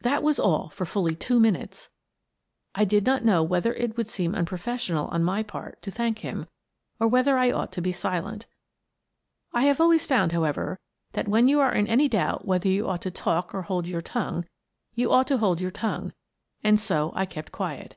That was all for fully two minutes. I did not know whether it would seem unprofessional on my part to thank him, or whether I ought to be silent. I have always found, however, that, when you are in any doubt whether you ought to talk or hold your tongue, you ought to hold your tongue, and so I kept quiet.